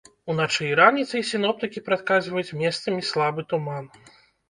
Уначы і раніцай сіноптыкі прадказваюць месцамі слабы туман.